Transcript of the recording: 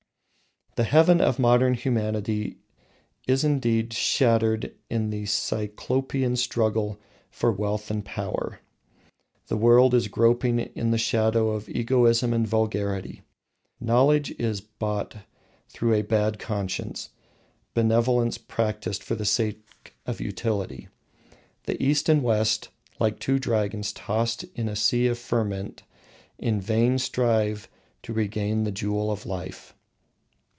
The heaven of modern humanity is indeed shattered in the Cyclopean struggle for wealth and power. The world is groping in the shadow of egotism and vulgarity. Knowledge is bought through a bad conscience, benevolence practiced for the sake of utility. The East and the West, like two dragons tossed in a sea of ferment, in vain strive to regain the jewel of life.